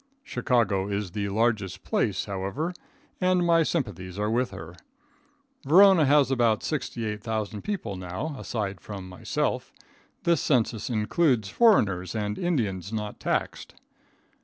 Chicago is the largest place, however, and my sympathies are with her. Verona has about 68,000 people now, aside from myself. This census includes foreigners and Indians not taxed.